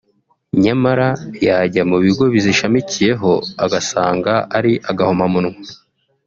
nyamara yajya mu bigo bizishamikiyemo agasanga ari agahomamunwa